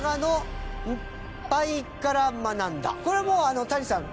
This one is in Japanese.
これはもう谷さん